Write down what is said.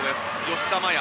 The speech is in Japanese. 吉田麻也